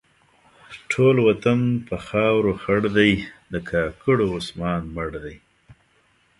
ټول وطن په خاورو خړ دی؛ د کاکړو عثمان مړ دی.